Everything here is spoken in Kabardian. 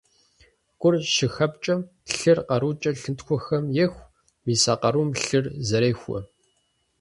Гур щыхэпкӀэм, лъыр къарукӀэ лъынтхуэхэм еху, мис а къарум лъыр зэрехуэ.